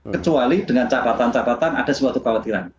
kecuali dengan catatan catatan ada suatu kekhawatiran